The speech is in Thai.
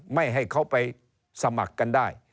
ไม่ให้เขาไปสมัครกันได้